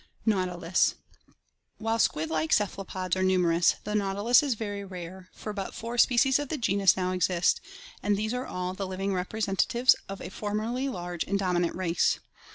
Nautilus While squid like cephalopods are numerous, the nautilus is very rare, for but four species of the genus now exist, and these are all the living representatives of a formerly large and domi nant race.